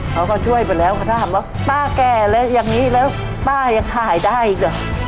เขาก็ช่วยไปแล้วเขาถามว่าป้าแก่แล้วอย่างนี้แล้วป้ายังขายได้อีกเหรอ